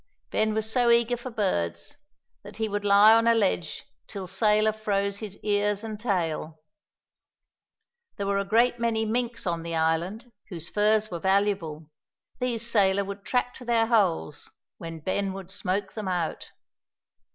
Ben was so eager for birds, that he would lie on a ledge till Sailor froze his ears and tail. There were a great many minks on the island, whose furs were valuable: these Sailor would track to their holes, when Ben would smoke them out.